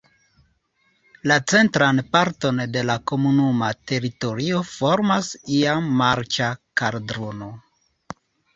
La centran parton de la komunuma teritorio formas iam marĉa kaldrono.